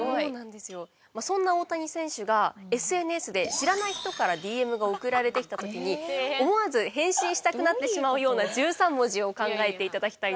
そんな大谷選手がＳＮＳで知らない人からＤＭが送られてきた時に思わず返信したくなってしまうような１３文字を考えて頂きたいと思います。